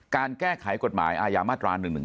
การแก้ไขกฎหมายอาญามาตรา๑๑๒